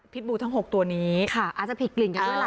บูทั้ง๖ตัวนี้อาจจะผิดกลิ่นกันด้วยล่ะ